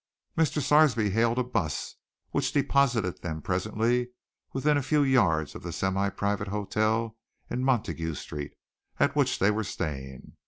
Mr. Sarsby hailed a 'bus which deposited them presently within a few yards of the semi private hotel in Montague Street at which they were staying.